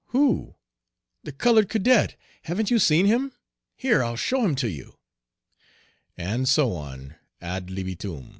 "Who?" "The colored cadet." "Haven't you seen him? Here, I'll show him to you," and so on ad libitum.